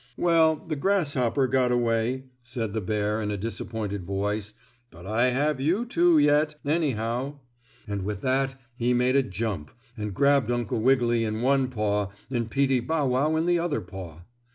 "Well, the grasshopper got away," said the bear in a disappointed voice, "but I have you two yet, anyhow," and with that he made a jump, and grabbed Uncle Wiggily in one paw and Peetie Bow Wow in the other paw.